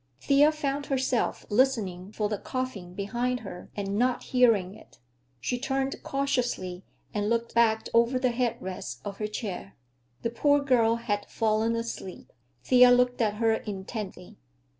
Thea found herself listening for the coughing behind her and not hearing it. She turned cautiously and looked back over the head rest of her chair. The poor girl had fallen asleep. Thea looked at her intently.